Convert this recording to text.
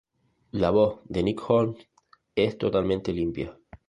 La voz de Nick Holmes es totalmente limpia.